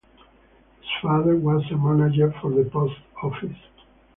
His father was a manager for the post office.